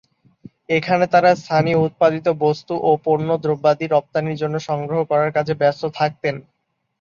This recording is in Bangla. এখানে তারা স্থানীয় উৎপাদিত বস্ত্ত ও পণ্যদ্রব্যাদি রপ্তানির জন্য সংগ্রহ করার কাজে ব্যস্ত থাকতেন।